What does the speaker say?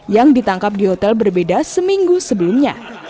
yang ditangkap di hotel berbeda seminggu sebelumnya